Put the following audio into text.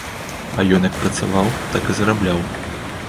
А ён як працаваў, так і зарабляў.